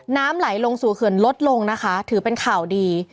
น้ำไหลลงสู่เขื่อนลดลงนะคะถือเป็นข่าวดี